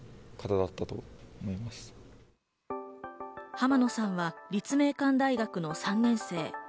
浜野さんは立命館大学の３年生。